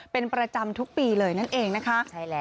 เป็นประจำทุกปีเลยนั่นเองนะคะ